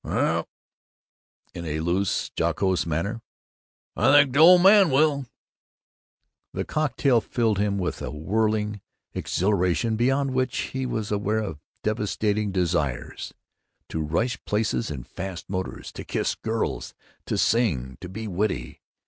"Well," in a loose, jocose manner, "I think the old man will!" The cocktail filled him with a whirling exhilaration behind which he was aware of devastating desires to rush places in fast motors, to kiss girls, to sing, to be witty.